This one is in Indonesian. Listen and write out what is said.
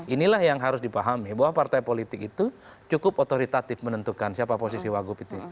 inilah yang harus dipahami bahwa partai politik itu cukup otoritatif menentukan siapa posisi wagub itu